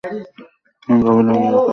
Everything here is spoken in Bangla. আমি ভাবিলাম, ইহা কার্যে পরিণত করা অসম্ভব।